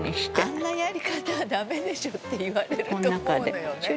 「あんなやり方ダメでしょって言われると思うのよね」